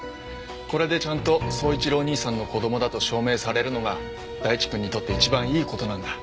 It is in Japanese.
これでちゃんと宗一郎義兄さんの子供だと証明されるのが大地くんにとって一番いい事なんだ。